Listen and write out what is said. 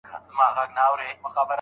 د "ادراکي چلند درملنه" اغېزمنه ده.